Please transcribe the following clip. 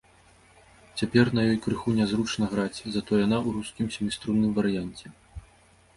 Цяпер на ёй крыху нязручна граць, затое яна ў рускім сяміструнным варыянце.